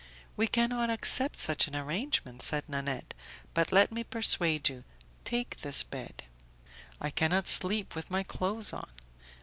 "We cannot accept such an arrangement," said Nanette, "but let me persuade you; take this bed." "I cannot sleep with my clothes on."